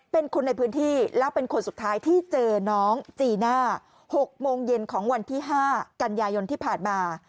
เป็นคนในพื้นที่แล้วเป็นคนสุดท้ายที่เจอน้องจีน่า๖โมงเย็นของวันที่๕กันยายนที่ผ่านมา